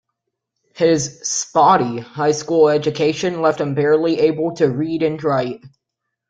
His "spotty" high school education left him barely able to read and write.